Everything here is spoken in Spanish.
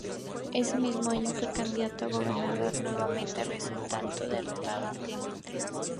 Ese mismo año fue candidato a gobernador nuevamente, resultando derrotado ampliamente.